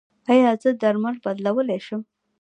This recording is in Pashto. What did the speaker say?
ایا زه درمل بدلولی شم؟